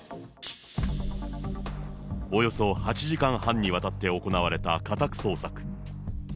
およそ８時間半にわたって行われた家宅捜索。